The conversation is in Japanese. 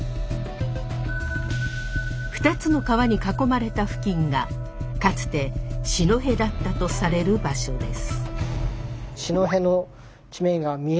２つの川に囲まれた付近がかつて四戸だったとされる場所です。